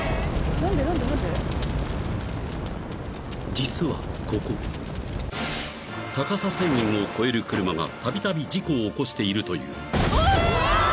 ［実はここ高さ制限を超える車がたびたび事故を起こしているという］